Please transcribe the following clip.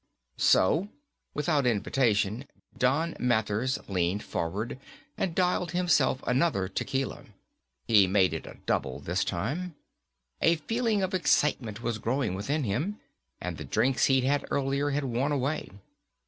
"So?" Without invitation, Don Mathers leaned forward and dialed himself another tequila. He made it a double this time. A feeling of excitement was growing within him, and the drinks he'd had earlier had worn away.